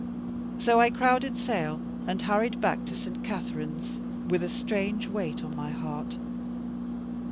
So I crowded sail, and hurried back to St. Katharine's, with a strange weight on my heart.